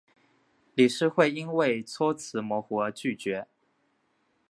理事会因为措辞模糊而拒绝。